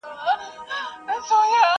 چي یې سور د میني نه وي په سینه کي